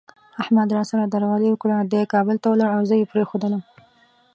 احمد را سره درغلي وکړه، دی کابل ته ولاړ او زه یې پرېښودلم.